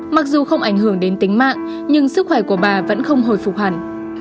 mặc dù không ảnh hưởng đến tính mạng nhưng sức khỏe của bà vẫn không hồi phục hẳn